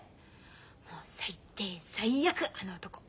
もう最低最悪あの男。